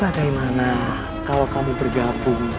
bagaimana kalau kamu bergabung